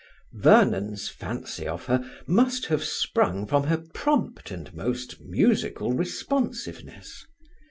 Vernon's fancy of her must have sprung from her prompt and most musical responsiveness.